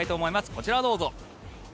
こちらをどうぞ。